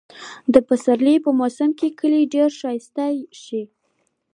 د پسرلي په موسم کې کلى ډېر ښايسته شي.